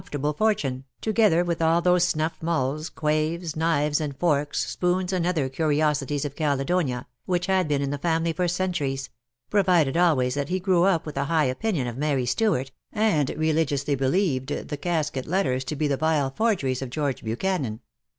fortable fortune, together with all those snuff mulls, quaighs, knives and forks, spoons, and other curi osities of Caledonia, which had been in the family for centuries — provided always that he grew up with a high opinion of Mary Stuart, and religiously believed the casket letters to be the vile forgeries of George Buchanan.